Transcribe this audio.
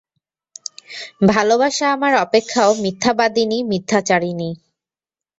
ভালোবাসা আমার অপেক্ষাও মিথ্যাবাদিনী মিথ্যাচারিণী।